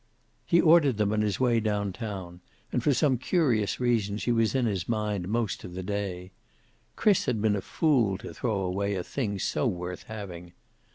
He ordered them on his way down town, and for some curious reason she was in his mind most of the day. Chris had been a fool to throw away a thing so worth having.